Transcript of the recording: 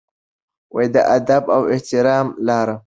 د ادب او احترام لاره.